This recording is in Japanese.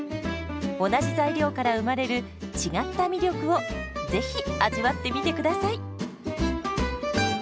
同じ材料から生まれる違った魅力をぜひ味わってみてください。